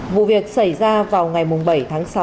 vụ việc xảy ra vào ngày bảy tháng sáu